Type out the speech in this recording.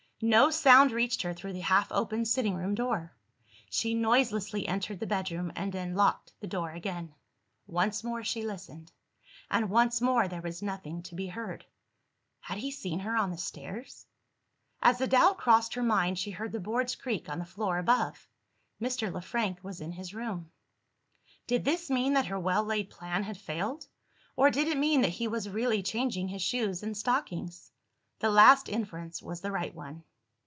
No sound reached her through the half open sitting room door. She noiselessly entered the bedroom, and then locked the door again. Once more she listened; and once more there was nothing to be heard. Had he seen her on the stairs? As the doubt crossed her mind, she heard the boards creak on the floor above. Mr. Le Frank was in his room. Did this mean that her well laid plan had failed? Or did it mean that he was really changing his shoes and stockings? The last inference was the right one.